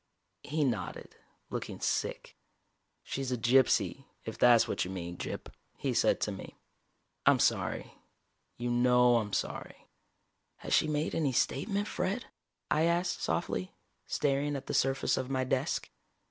He nodded, looking sick. "She's a gypsy, if that's what you mean, Gyp," he said to me. "I'm sorry. You know I'm sorry." "Has she made any statement, Fred?" I asked softly, staring at the surface of my desk.